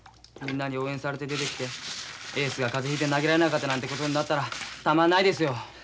みんなに応援されて出てきてエースが風邪ひいて投げられなかったなんてことになったらたまんないですよ。